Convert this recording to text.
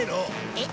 えっ？